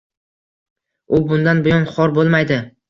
U bundan buyon xor boʻlmaydi